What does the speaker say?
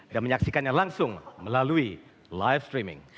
dan menyaksikannya langsung melalui live streaming